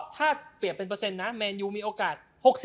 ถ้าเปลี่ยนเป็นเปอร์เซ็นนะแมนยูมีโอกาส๖๐